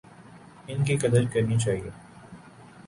ان کی قدر کرنی چاہیے۔